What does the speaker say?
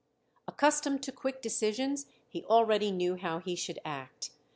Accustomed to quick decisions, he already knew how he should act.